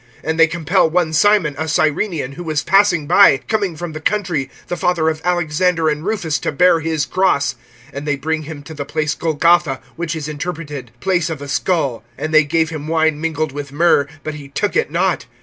(21)And they compel one Simon, a Cyrenian, who was passing by, coming from the country, the father of Alexander and Rufus, to bear his cross. (22)And they bring him to the place Golgotha, which is interpreted, Place of a skull. (23)And they gave him wine mingled with myrrh; but he took it not.